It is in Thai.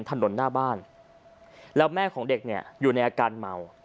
ถนนหน้าบ้านแล้วแม่ของเด็กเนี่ยอยู่ในอาการเมา